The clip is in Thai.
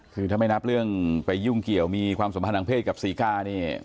คือถ้าไม่นับเรื่องไปยุ่งเกี่ยวมีความสัมพันธ์ทางเพศกับศรีกาเนี่ย